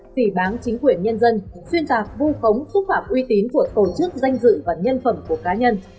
phỉ bán chính quyền nhân dân xuyên tạc vu khống xúc phạm uy tín của tổ chức danh dự và nhân phẩm của cá nhân